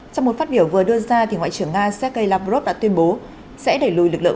trong một phát biểu vừa đưa ra ngoại trưởng nga sergei lavrov đã tuyên bố sẽ đẩy lùi lực lượng